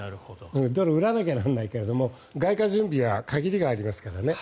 ドルを売らないといけないけど外貨準備は限りがありますからね。